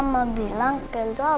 kenzo senang ketemu tante bella